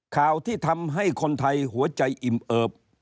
ข่าวที่ทำให้คนไทยหัวใจอิ่มเอิบ